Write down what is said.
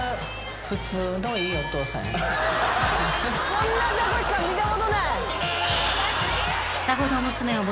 こんなザコシさん見たことない。